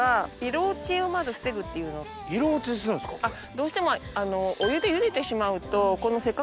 どうしても。